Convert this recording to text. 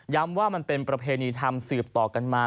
ว่ามันเป็นประเพณีทำสืบต่อกันมา